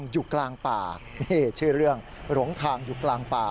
อยู่กลางป่านี่ชื่อเรื่องหลงทางอยู่กลางป่า